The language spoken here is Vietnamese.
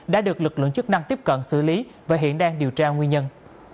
đã được lực lượng chức năng tiếp cận xử lý và hiện đang điều tra nguyên nhân